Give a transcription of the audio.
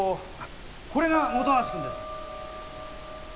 これが本橋君です。